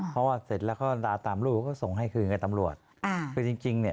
เห็นละเย็ดขนาดนั้น